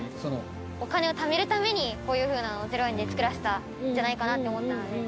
お金をためるためにこういう風なのを０円で造らせたんじゃないかなって思ったので。